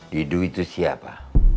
didu itu siapa